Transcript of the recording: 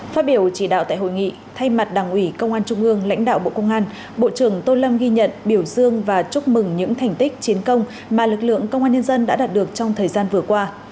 phát biểu chỉ đạo tại hội nghị thay mặt đảng ủy công an trung ương lãnh đạo bộ công an bộ trưởng tô lâm ghi nhận biểu dương và chúc mừng những thành tích chiến công mà lực lượng công an nhân dân đã đạt được trong thời gian vừa qua